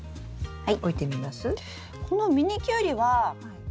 はい。